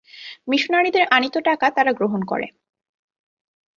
মিশনারীদের আনীত টাকা তারা গ্রহণ করে।